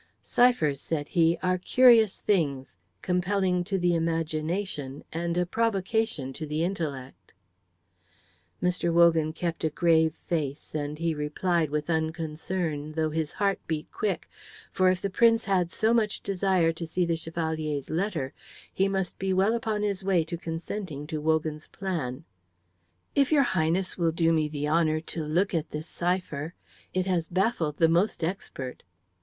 "Ciphers," said he, "are curious things, compelling to the imagination and a provocation to the intellect." Mr. Wogan kept a grave face and he replied with unconcern, though his heart beat quick; for if the Prince had so much desire to see the Chevalier's letter, he must be well upon his way to consenting to Wogan's plan. "If your Highness will do me the honour to look at this cipher. It has baffled the most expert."